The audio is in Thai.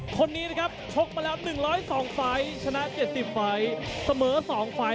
คนนี้นะครับชกมาแล้ว๑๐๒ไฟล์ชนะ๗๐ไฟล์